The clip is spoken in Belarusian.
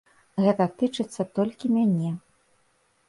Гэта тычыцца толькі мяне.